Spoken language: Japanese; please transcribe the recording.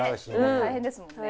大変ですもんね。